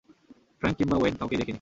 Frank কিংবা Wayne কাউকেই দেখিনি।